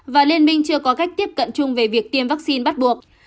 và liên minh chưa có cách tiếp cận chung về việc tiêm vaccine bắt buộc